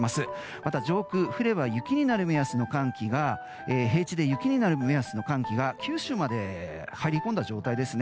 また、上空、降れば平地で雪になる目安の寒気が九州まで入り込んだ状態ですね。